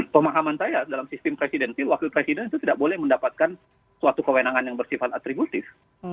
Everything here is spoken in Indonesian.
pemahaman saya dalam sistem presidensil wakil presiden itu tidak boleh mendapatkan suatu kewenangan yang bersifat atributif